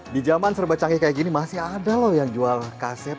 di zaman serba canggih kayak gini masih ada loh yang jual kaset